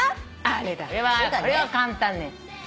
これは簡単ね。